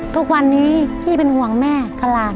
ทุกวันนี้พี่เป็นห่วงแม่กับหลาน